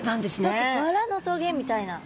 何かバラのトゲみたいな。